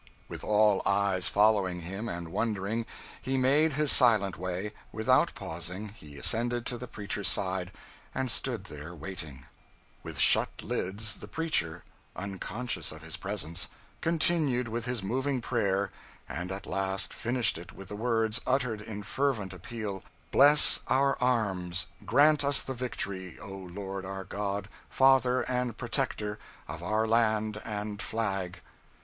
With all eyes following him and wondering, he made his silent way; without pausing, he ascended to the preacher's side and stood there waiting. With shut lids the preacher, unconscious of his presence, continued with his moving prayer, and at last finished it with the words, uttered in fervent appeal, "Bless our arms, grant us the victory, O Lord our God, Father and Protector of our land and flag!"